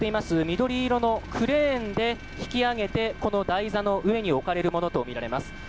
緑色のクレーンで引き揚げて、この台座の上に置かれるものとみられます。